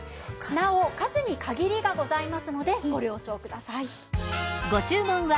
なお数に限りがございますのでご了承ください。